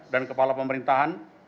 dan kepala pemerintahan